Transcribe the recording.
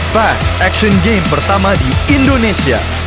five action game pertama di indonesia